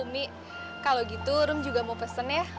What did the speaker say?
umi kalau gitu rum juga mau pesen ya